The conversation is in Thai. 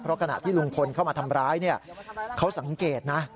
เพราะขณะที่ลุงพลเข้ามาทำร้ายเขาสังเกตนะ